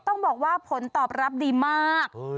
ต้องบอกว่าผลตอบรับดีมาก